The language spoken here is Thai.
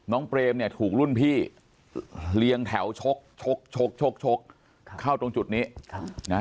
น้องเปรมเนี่ยถูกรุ่นพี่เลียงแถวชกเข้าตรงจุดนี้นะ